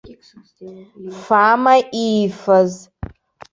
Фама иифаз.